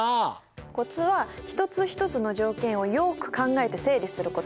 コツは一つ一つの条件をよく考えて整理すること。